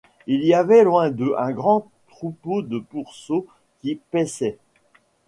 Il y avait loin d'eux un grand troupeau de pourceaux qui paissaient.